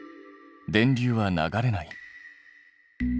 電流は流れない。